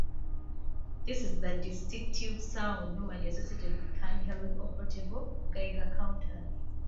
This is the distinctive sound normally associated with hand held or portable Geiger counters.